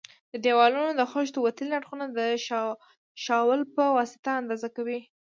د دېوالونو د خښتو وتلي اړخونه د شاول په واسطه اندازه کوي.